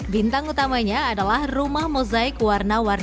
bintang utamanya adalah rumah mozaik warna warni